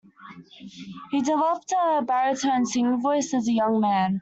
He developed a baritone singing voice as a young man.